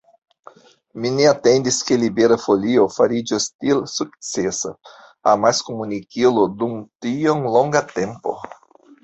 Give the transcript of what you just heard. Mi ne atendis, ke Libera Folio fariĝos tiel sukcesa amaskomunikilo dum tiom longa tempo.